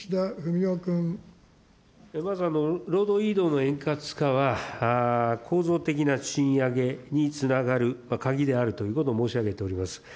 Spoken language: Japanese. まず、労働移動の円滑化は構造的な賃上げにつながる鍵であるということを申し上げております。